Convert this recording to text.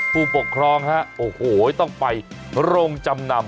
ผู้ปกครองฮะโอ้โหต้องไปโรงจำนำ